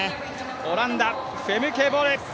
オランダ、フェムケ・ボル。